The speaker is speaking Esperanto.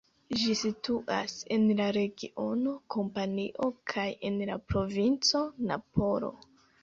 Ĝi situas en la regiono Kampanio kaj en la provinco Napolo.